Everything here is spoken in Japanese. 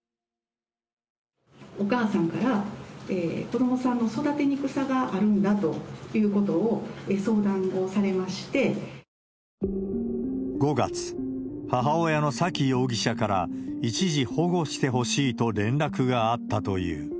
お母さんから子どもさんの育てにくさがあるんだということを、５月、母親の沙喜容疑者から一時保護してほしいと連絡があったという。